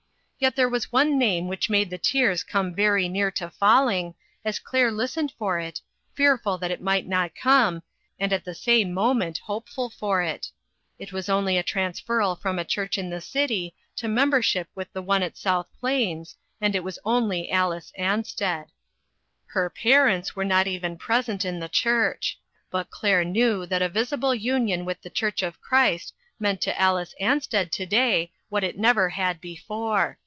Yet there was one name which made the tears come very near to falling, as Claire listened for it, fearful that it might not come, and at the same moment hopeful for it. It was only a transferral from a church in the city to membership with the one at South Plains, and it was only Alice Ansted. Her parents were not even present in the church. But Claire knew that a visible union with the church of Christ meant to Alice Ansted to day what it never had before.